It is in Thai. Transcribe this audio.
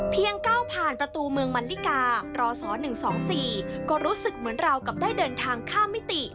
ก้าวผ่านประตูเมืองมันลิการรศ๑๒๔ก็รู้สึกเหมือนเรากับได้เดินทางข้ามมิติ